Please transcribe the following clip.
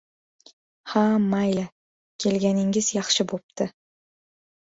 — Ha, mayli, Kelganingiz yaxshi bo‘pti.